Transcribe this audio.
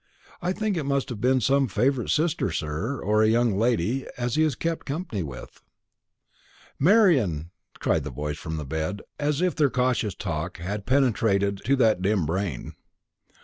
I think it must be some favourite sister, sir, or a young lady as he has kep' company with." "Marian!" cried the voice from the bed, as if their cautious talk had penetrated to that dim brain.